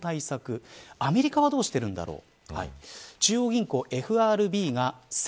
アメリカはどうしているんだろう。